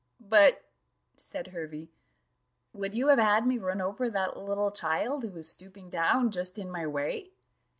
"But," said Hervey, "would you have had me run over that little child, who was stooping down just in my way?"